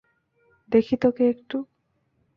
দেখি তোকে একটু।